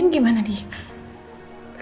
kondisi terupdate nya kondisinya mbak andin itu dia